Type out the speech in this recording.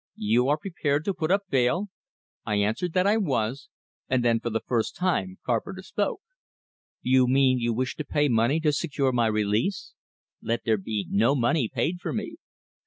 "You are prepared to put up bail?" I answered that I was; and then for the first time Carpenter spoke. "You mean you wish to pay money to secure my release? Let there be no money paid for me."